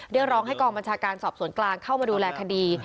เรียกร้องให้กองบัญชาการสอบสวนกลางเข้ามาดูแลคดี